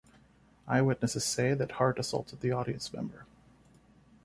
Eyewitnesses say that Hart assaulted the audience member.